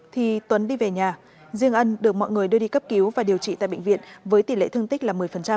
thì tuấn đi về nhà riêng ân được mọi người đưa đi cấp cứu và điều trị tại bệnh viện với tỷ lệ thương tích là một mươi